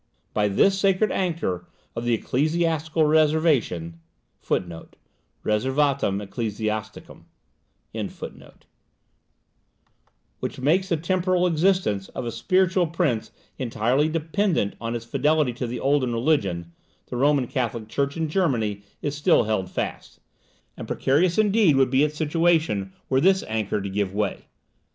By this sacred anchor of the Ecclesiastical Reservation, (`Reservatum Ecclesiasticum',) which makes the temporal existence of a spiritual prince entirely dependent on his fidelity to the olden religion, the Roman Catholic Church in Germany is still held fast; and precarious, indeed, would be its situation were this anchor to give way.